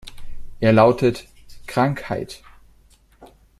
Er lautet: Krankheit“".